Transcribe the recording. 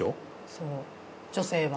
そう女性は。